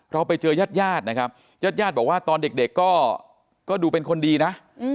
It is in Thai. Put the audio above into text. เราไปเจอยาดนะครับญาติญาติบอกว่าตอนเด็กก็ดูเป็นคนดีนะ